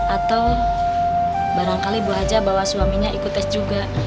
atau barangkali bu haja bawa suaminya ikut tes juga